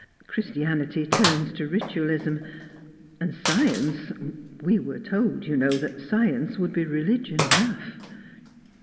Christianity turns to ritualism. And science we were told you know, that science would be religion enough."